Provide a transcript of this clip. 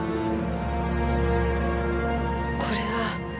これは。